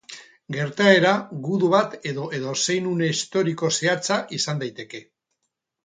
Gertaera gudu bat edo edozein une historiko zehatza izan daiteke.